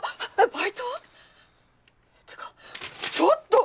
バイトは？ってかちょっと！